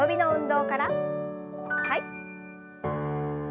はい。